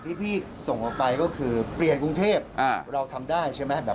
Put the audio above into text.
ที่พี่ส่งออกไปก็คือเปลี่ยนกรุงเทพเราทำได้ใช่ไหมแบบ